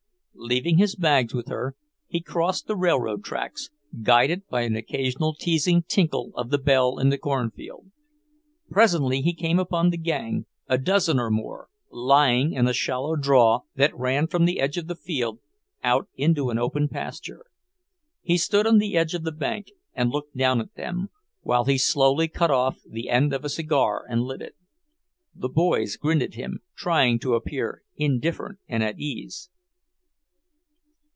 Leaving his bags with her, he crossed the railroad tracks, guided by an occasional teasing tinkle of the bell in the cornfield. Presently he came upon the gang, a dozen or more, lying in a shallow draw that ran from the edge of the field out into an open pasture. He stood on the edge of the bank and looked down at them, while he slowly cut off the end of a cigar and lit it. The boys grinned at him, trying to appear indifferent and at ease.